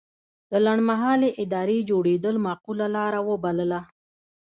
د لنډمهالې ادارې جوړېدل معقوله لاره وبلله.